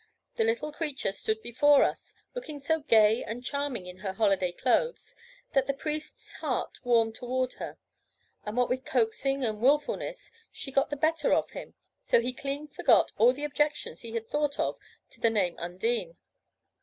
The little creature stood before us, looking so gay and charming in her holiday clothes, that the priest's heart warmed toward her; and what with coaxing and wilfulness, she got the better of him, so that he clean forgot all the objections he had thought of to the name Undine.